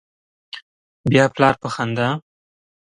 بیا پلار په خندا